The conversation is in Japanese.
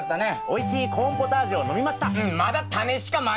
おいしいコーンポタージュを飲みました。